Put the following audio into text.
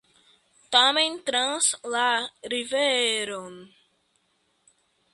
Tamen trans la riveron.